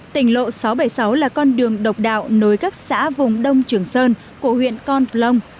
tỉnh lộ sáu trăm bảy mươi sáu là con đường độc đạo nối các xã vùng đông trường sơn của huyện con plong